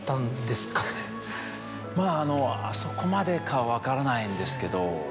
あそこまでかは分からないんですけど。